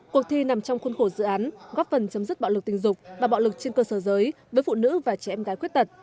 cuộc thi nằm trong khuôn khổ dự án góp phần chấm dứt bạo lực tình dục và bạo lực trên cơ sở giới với phụ nữ và trẻ em gái khuyết tật